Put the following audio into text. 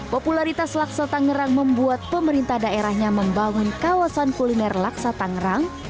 popularitas laksa tangerang membuat pemerintah daerahnya membangun kawasan kuliner laksa tangerang